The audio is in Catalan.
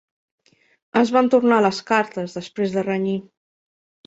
Es van tornar les cartes, després de renyir.